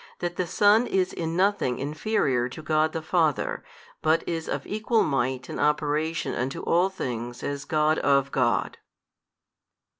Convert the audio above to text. That the Son is in nothing inferior to God the Father, but is of Equal Might in Operation unto all things as God of God.